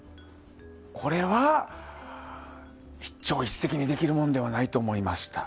これは一朝一夕にできるものではないと思いました。